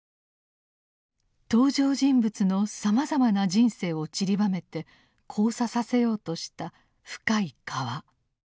登場人物のさまざまな人生をちりばめて交差させようとした「深い河」。